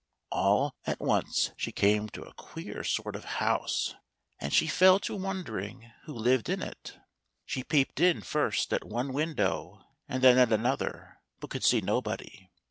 All at once she came to a queer sort of house, and she fell THE THREE BEARS. to wondering who lived in it. She peeped in first at one window and then at another, but could see nobody.